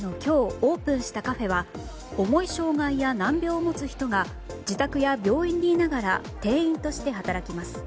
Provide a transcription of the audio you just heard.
オープンしたカフェは重い障害や難病を持つ人が自宅や病院にいながら店員として働きます。